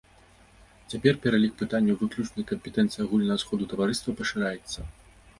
Цяпер пералік пытанняў выключнай кампетэнцыі агульнага сходу таварыства пашыраецца.